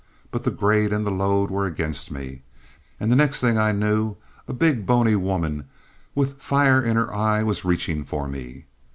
But the grade and the load were against me, and the next thing I knew, a big, bony woman, with fire in her eye, was reaching for me.